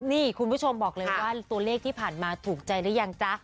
นี่คุณผู้ชมบอกเลยว่าตัวเลขที่ผ่านมาถูกใจหรือยังจ๊ะ